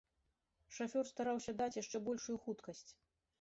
Шафёр стараўся даць яшчэ большую хуткасць.